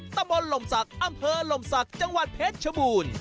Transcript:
ตำบลหล่มศักดิ์อำเภอลมศักดิ์จังหวัดเพชรชบูรณ์